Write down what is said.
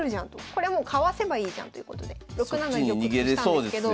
これもうかわせばいいじゃんということで６七玉としたんですけど。